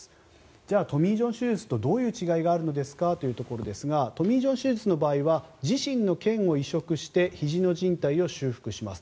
じゃあトミー・ジョン手術とどういう違いがあるんですかというところですがトミー・ジョン手術の場合は自身の腱を移植してひじのじん帯を修復します。